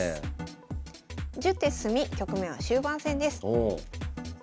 １０手進み局面は終盤戦です。